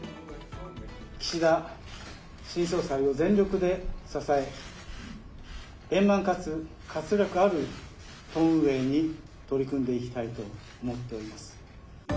岸田新総裁を全力で支え、円満かつ活力ある党運営に取り組んでいきたいと思っております。